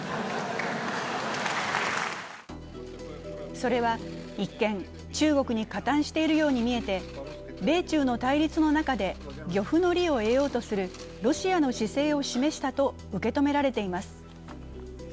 それは一見、中国に加担しているように見えて米中の対立の中で漁夫の利を得ようとするロシアの姿勢を示したと受け止められています。